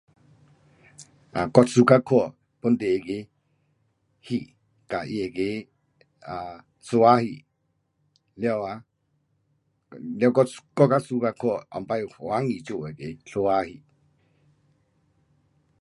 啊，我 suka 看本地那个戏跟它那个 um 相打戏，了啊，了我较 suka 看以前黄羽做那个相打戏。